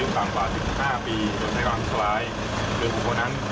สวัสดีครับ